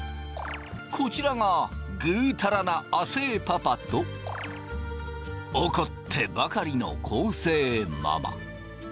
こちらがグータラな亜生パパと怒ってばかりの昴生ママ！